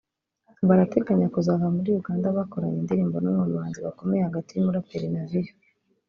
barateganya kuzava muri Uganda bakoranye indirimbo n’umwe mu bahanzi bakomeye hagati y’umuraperi Navio